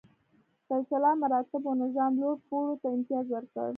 سلسله مراتبو نظام لوړ پوړو ته امتیاز ورکړ.